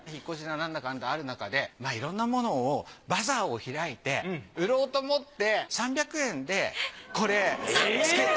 なんだかんだあるなかでいろんなものをバザーを開いて売ろうと思って３００円でこれつけて。